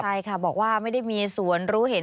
ใช่ค่ะบอกว่าไม่ได้มีส่วนรู้เห็น